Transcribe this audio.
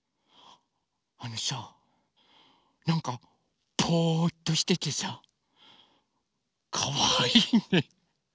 あのさなんかぽぅっとしててさかわいいね。